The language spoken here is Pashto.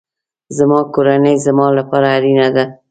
زما کورنۍ زما لپاره اړینه ده